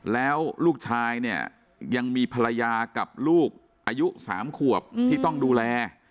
แล้วลูกชายเนี่ยยังมีภรรยากับลูกอายุ๓ขวบที่ต้องดูแล